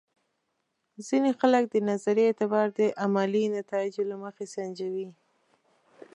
ځینې خلک د نظریې اعتبار د عملي نتایجو له مخې سنجوي.